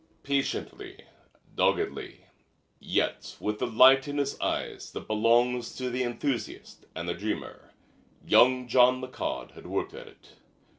Patiently, doggedly, yet with the light in his eyes that belongs to the enthusiast and the dreamer, young Jean Michaud had worked at it.